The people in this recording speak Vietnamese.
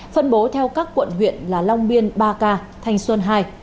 phân bố theo các quận huyện là long biên ba k thanh xuân hai